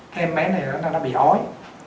cái em bé này nó bị ói